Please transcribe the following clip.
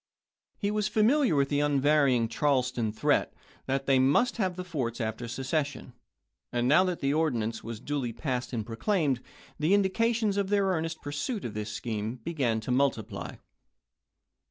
He was familiar with the unvarying Charleston threat that they must have the forts after secession ; and now that the ordinance was duly passed and pro claimed, the indications of their earnest pursuit of this scheme began to multiply.